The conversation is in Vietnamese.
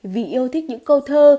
vì yêu thích những câu thơ